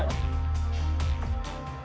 kau mau berbicara